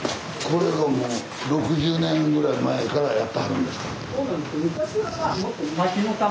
これをもう６０年ぐらい前からやってはるんですか？